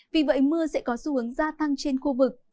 vì vậy mưa sẽ có xu hướng gia tăng trên khu vực